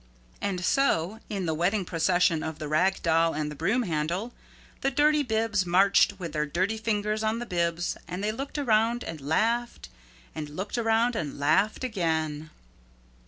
And so in the wedding procession of the Rag Doll and the Broom Handle, the Dirty Bibs marched with their dirty fingers on the bibs and they looked around and laughed and looked around and laughed again.